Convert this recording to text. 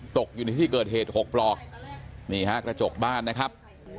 ตกอยู่ในที่เกิดเหตุ๖ปลอกนี่ฮะกระจกบ้านนะครับ